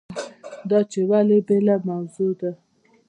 دا چې ولې بېله موضوع ده.